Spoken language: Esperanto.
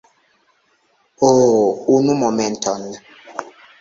Oh, unu momenton!